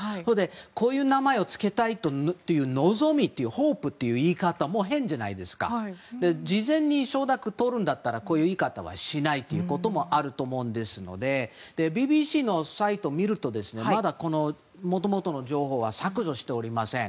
こういう名前を付けたい望み、ホープという言い方も変で事前に承諾をとるんだったらこういう言い方はしないということがあると思うんですのでＢＢＣのサイトを見るとまだもともとの情報は削除しておりません。